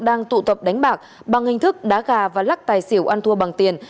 đang tụ tập đánh bạc bằng hình thức đá gà và lắc tài xỉu ăn thua bằng tiền